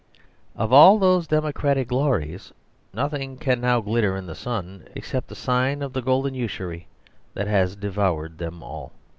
Of all those democratic glories nothing can now glitter in the sun ; except the sign of the golden usury that has devoured them all.